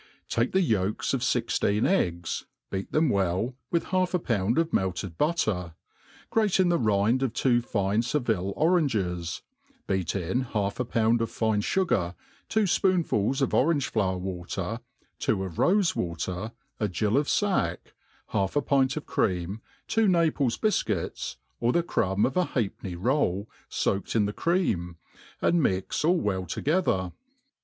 TAI^E the yolks of fixteen eggs, beat them well, with half a pound of melted butter, grate in the rind of two fine Seville joranges, beat in half a pound of fine fugar, two fpoonfuls of 4>range flower water, two of rofe water, a gill of fack, half a pint of cream, two Naples bifcuics, or the crumb of a halfpenny foU foaked in the cream, and mix all well together.